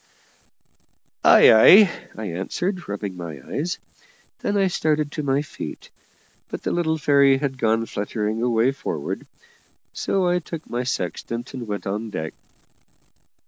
"Ay, ay," I answered, rubbing my eyes. Then I started to my feet, but the little fairy had gone fluttering away forward, so I took my sextant and went on deck.